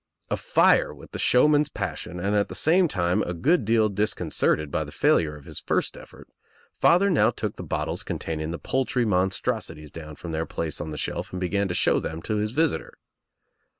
Afire with the showman's passion and at the same time a good deal disconcerted by the failure of his first effort, father now took the bottles containing the poultry monstrosities down from their place on the shelf and began to show them to his visitor.